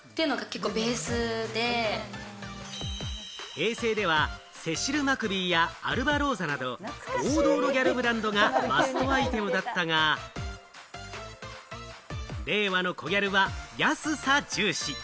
平成ではセシルマクビーやアルバローザなど、王道のギャルブランドがマストアイテムだったが、令和のコギャルは安さ重視。